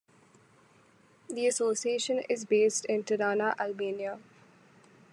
The Association is based in Tirana, Albania.